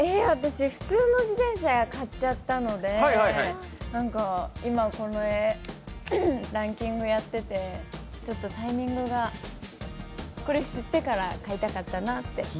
私、普通の自転車買っちゃったので、今、このランキングやっててタイミングがこれ知ってから買いたかったなって。